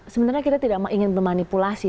sebenarnya kita tidak ingin memanipulasi